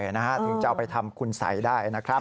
ถึงจะเอาไปทำคุณสัยได้นะครับ